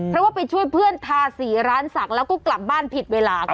เพราะว่าไปช่วยเพื่อนทาสีร้านศักดิ์แล้วก็กลับบ้านผิดเวลาคุณ